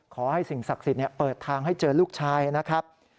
ขอให้สิ่งศักดิ์สิทธิ์เปิดทางให้เจอลูกชายนะครับ